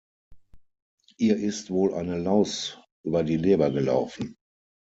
Ihr ist wohl eine Laus über die Leber gelaufen.